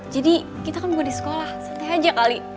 jadi kita kan gue di sekolah sente aja kali